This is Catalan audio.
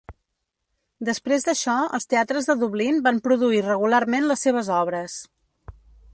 Després d'això, els teatres de Dublín van produir regularment les seves obres.